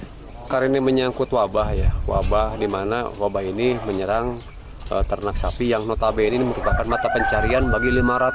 sekarang ini menyangkut wabah ya wabah dimana wabah ini menyerang ternak sapi yang notabene ini merupakan mata pencarian bagi lima ratus lima belas